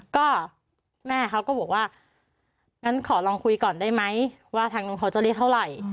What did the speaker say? ก็แม่เขาก็บอกว่างั้นขอลองคุยก่อนได้ไหมว่าทางนู้นเขาจะเรียกเท่าไหร่